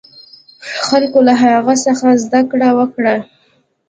خلکو له هغه څخه زده کړه وکړه.